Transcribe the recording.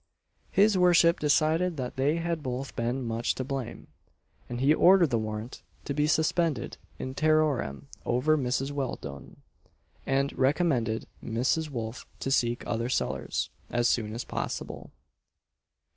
His worship decided that they had both been much to blame; and he ordered the warrant to be suspended in terrorem over Mrs. Welldone, and recommended Mrs. Wolf to seek other cellars as soon as possible.